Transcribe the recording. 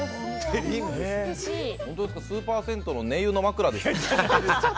スーパー銭湯の寝湯の枕でしょ。